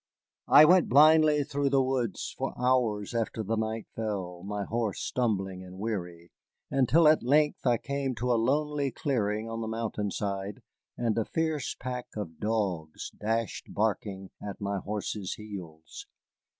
I went blindly through the woods for hours after the night fell, my horse stumbling and weary, until at length I came to a lonely clearing on the mountain side, and a fierce pack of dogs dashed barking at my horse's heels.